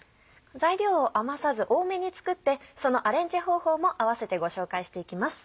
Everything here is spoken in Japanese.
材料を余さず多めに作ってそのアレンジ方法も併せてご紹介していきます。